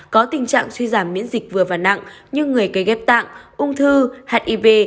có tình trạng suy giảm miễn dịch vừa và nặng như người cấy ghép tạng ung thư hiv